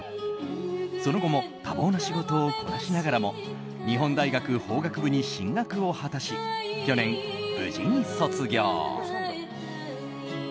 その後も多忙な仕事をこなしながらも日本大学法学部に進学を果たし去年、無事に卒業。